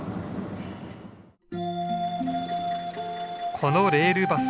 このレールバス